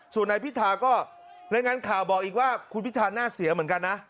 ส่วนนายพิธาก็รายงานข่าวบอกอีกว่าคุณพิธาน่าเสียเหมือนกันนะ